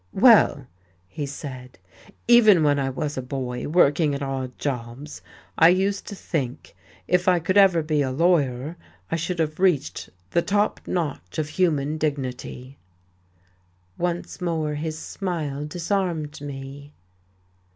"Well," he said, "even when I was a boy, working at odd jobs, I used to think if I could ever be a lawyer I should have reached the top notch of human dignity." Once more his smile disarmed me.